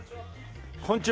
こんにちは。